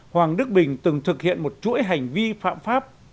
hoàng đức bình từng thực hiện một chuỗi hành vi phạm pháp